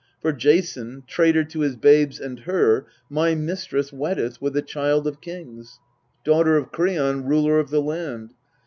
For Jason, traitor to his babes and her, My mistress, weddeth with a child of kings, Daughter of Kreon ruler of the land.